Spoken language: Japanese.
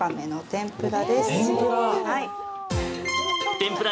天ぷら！